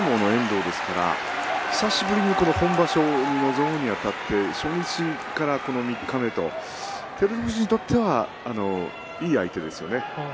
相撲の遠藤ですから久しぶりの今場所に臨むにあたって初日から三日目照ノ富士にとってはいい相手ですよね。